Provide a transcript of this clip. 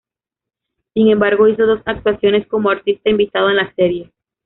Sin embargo, hizo dos actuaciones como artista invitado en la serie.